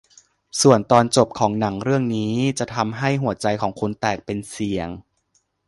ส่วนตอนจบของหนังเรื่องนี้จะทำให้หัวใจของคุณแตกเป็นเสี่ยง